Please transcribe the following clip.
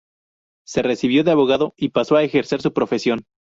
Se recibió de abogado y pasó a ejercer su profesión.